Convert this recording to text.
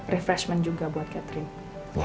refreshment juga buat katrin